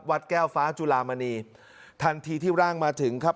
แก้วฟ้าจุลามณีทันทีที่ร่างมาถึงครับ